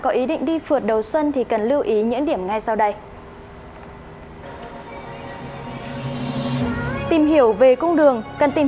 có ý định đi phượt đầu xuân thì cần lưu ý những điểm ngay sau đây tìm hiểu về cung đường cần tìm